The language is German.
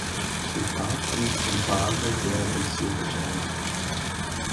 Shepard wuchs in Basel, Bern und Zürich auf.